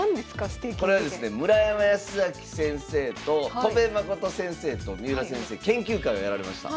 これはですね村山慈明先生と戸辺誠先生と三浦先生研究会をやられました。